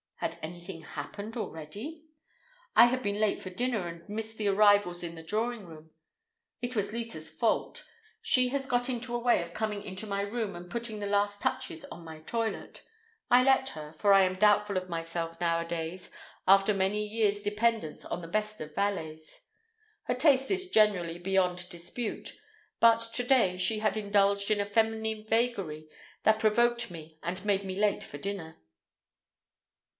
Had anything happened already? I had been late for dinner and missed the arrivals in the drawing room. It was Leta's fault. She has got into a way of coming into my room and putting the last touches to my toilet. I let her, for I am doubtful of myself nowadays after many years' dependence on the best of valets. Her taste is generally beyond dispute, but to day she had indulged in a feminine vagary that provoked me and made me late for dinner.